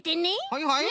はいはい。